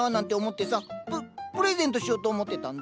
ププレゼントしようと思ってたんだ。